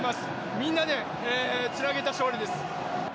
みんなでつなげた勝利です。